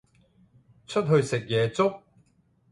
出去食夜粥？